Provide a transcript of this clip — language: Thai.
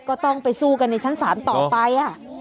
ก็ต้องไปสู้กันในชั้นศาลต่อไป